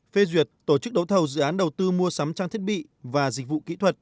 phê duyệt tổ chức đấu thầu dự án đầu tư mua sắm trang thiết bị và dịch vụ kỹ thuật